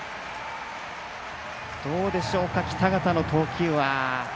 どうでしょうか、北方の投球は。